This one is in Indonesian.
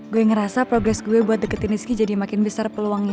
gue ngerasa progres gue buat deketin rizky jadi makin besar peluangnya